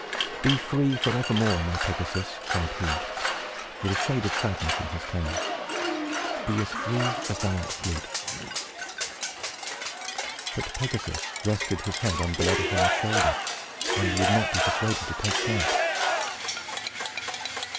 "Be free, forevermore, my Pegasus!" cried he, with a shade of sadness in his tone. "Be as free as thou art fleet!" But Pegasus rested his head on Bellerophon's shoulder, and would not be persuaded to take flight.